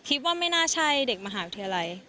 คิดว่าไม่น่าใช่เด็กมหาวิทยาลัย